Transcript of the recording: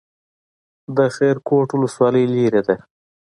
د خیرکوټ ولسوالۍ لیرې ده